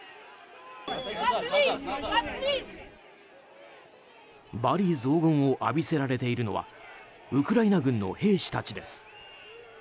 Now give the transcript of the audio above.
罵詈雑言を浴びせられているのはウクライナ軍の兵士たちです。